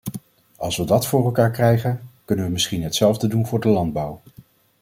Als we dat voor elkaar krijgen, kunnen we misschien hetzelfde doen voor de landbouw.